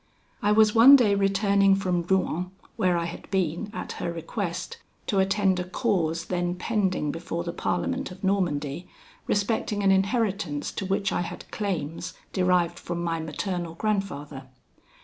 I was one day returning from Rouen, where I had been, at her request, to attend a cause then pending before the Parliament of Normandy, respecting an inheritance to which I had claims derived from my maternal grandfather.